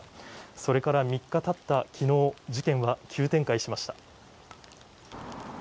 それから３日たった昨日事件は急展開しました。